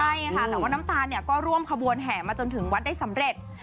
ใช่ค่ะแต่ว่าน้ำตาลเนี่ยก็ร่วมขบวนแห่มาจนถึงวัดได้สำเร็จ